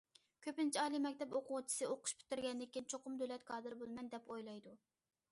كۆپىنچە ئالىي مەكتەپ ئوقۇغۇچىسى ئوقۇش پۈتكۈزگەندىن كېيىن چوقۇم دۆلەت كادىرى بولىمەن، دەپ ئويلايدۇ.